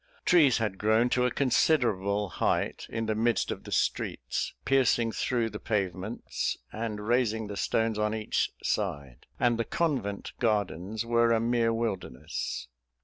Trees had grown to a considerable height in the midst of the streets, piercing through the pavements and raising the stones on each side; and the convent gardens were a mere wilderness.